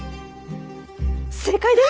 正解です！